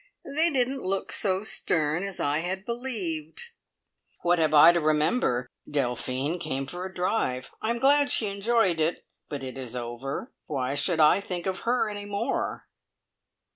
They didn't look so stern as I had believed. "What have I to remember? Delphine came for a drive; I'm glad she enjoyed it, but it is over. Why should I think of her any more?"